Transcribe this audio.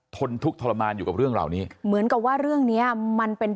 นทุกข์ทรมานอยู่กับเรื่องเหล่านี้เหมือนกับว่าเรื่องเนี้ยมันเป็น